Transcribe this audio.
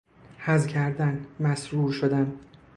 حظ کردن، مسرور شدن